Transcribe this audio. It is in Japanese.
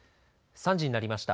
３時になりました。